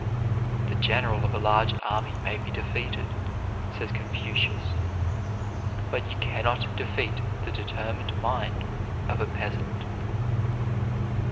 "The general of a large army may be defeated," said Confucius, "but you can not defeat the determined mind of a peasant."